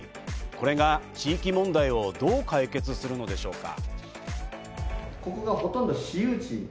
これが地域問題をどう解決するのでしょうか？